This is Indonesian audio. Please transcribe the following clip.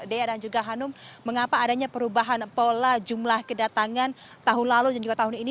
dea dan juga hanum mengapa adanya perubahan pola jumlah kedatangan tahun lalu dan juga tahun ini